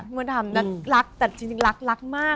กลัวท่ำรักแต่จริงรักรักมาก